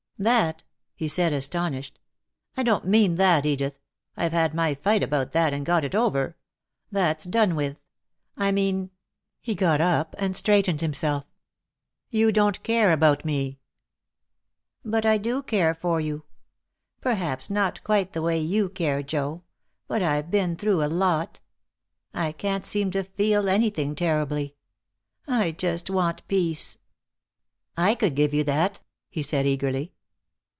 "That!" he said, astonished. "I don't mean that, Edith. I've had my fight about that, and got it over. That's done with. I mean " he got up and straightened himself. "You don't care about me." "But I do care for you. Perhaps not quite the way you care, Joe, but I've been through such a lot. I can't seem to feel anything terribly. I just want peace." "I could give you that," he said eagerly.